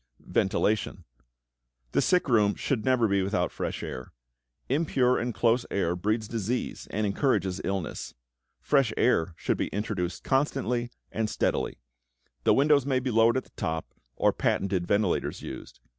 =Ventilation.= The sick room should never be without fresh air. Impure and close air breeds disease and encourages illness. Fresh air should be introduced constantly and steadily. The windows may be lowered at the top or patented ventilators used.